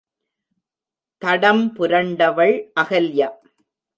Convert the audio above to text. தடம்புரண்டவள் Ahalya.